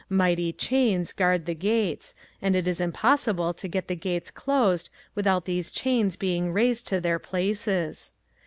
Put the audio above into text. Mighty chains guard the gates and it is impossible to get the gates closed without these chains being raised to their places.